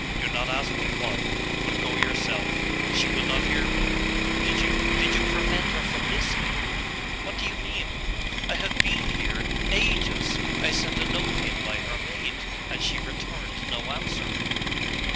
Do not ask me why: but go yourself. She will not hear me. Did you did you prevent her from listening?' 'What do you mean?' 'I have been here ages! I sent a note in by her maid, and she returned no answer.